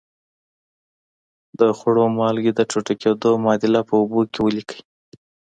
د خوړو مالګې د ټوټه کیدو معادله په اوبو کې ولیکئ.